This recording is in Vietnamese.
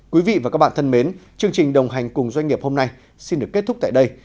quý vị và các bạn thân mến chương trình đồng hành cùng doanh nghiệp hôm nay xin được kết thúc tại đây